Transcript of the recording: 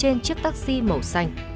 đến chiếc taxi màu xanh